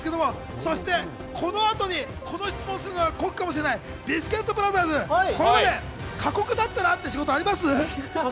そして、この後にこの質問するのは酷かもしれないビスケットブラザーズ、これまで過酷だったなって仕事あります？